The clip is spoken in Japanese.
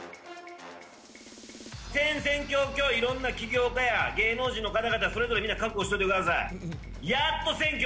戦々恐々、いろんな起業家や芸能人の方々、それぞれみんな覚悟しておいてください。